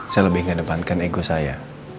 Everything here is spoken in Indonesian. saya lebih gak depankan ego saya